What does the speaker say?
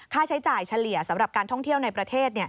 ค่าใช้จ่ายเฉลี่ยสำหรับการท่องเที่ยวในประเทศ